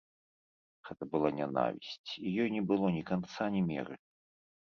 Гэта была нянавісць, і ёй не было ні канца, ні меры.